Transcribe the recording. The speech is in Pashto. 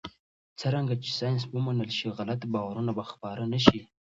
څرنګه چې ساینس ومنل شي، غلط باورونه به خپاره نه شي.